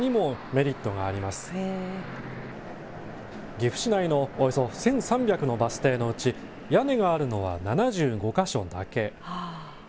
岐阜市内のおよそ１３００のバス停のうち屋根があるのは７５か所だけ。